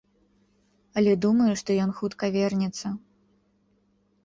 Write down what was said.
Але думаю, што ён хутка вернецца.